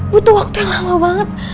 butuh waktu yang lama banget